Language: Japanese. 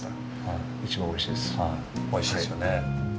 はいおいしいですよね。